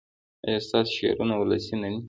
ایا ستاسو شعرونه ولسي نه دي؟